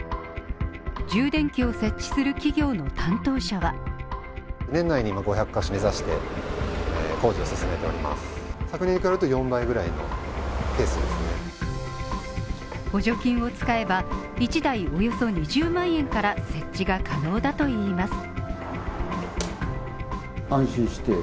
充電器を設置する企業の担当者は補助金を使えば１台およそ２０万円から設置が可能だといいます。